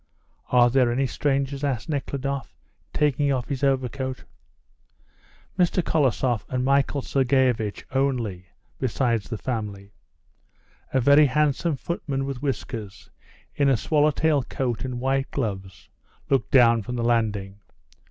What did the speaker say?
"Are there any strangers?" asked Nekhludoff, taking off his overcoat. "Mr. Kolosoff and Michael Sergeivitch only, besides the family." A very handsome footman with whiskers, in a swallow tail coat and white gloves, looked down from the landing.